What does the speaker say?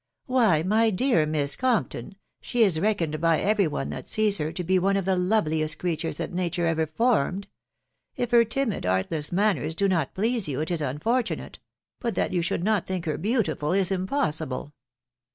S€ Why, my dear Miss Compton, she is reckoned by every one that sees her to be one of the loveliest creatures that nature ever formed. ... If her timid, artless manners do not please you, it is unfortunate ; but that you should not think her beautiful, is impossible."